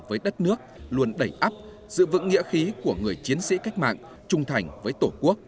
với đất nước luôn đẩy ấp giữ vững nghĩa khí của người chiến sĩ cách mạng trung thành với tổ quốc